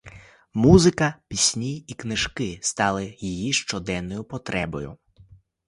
Музика, пісні і книжки стали її щоденною потребою.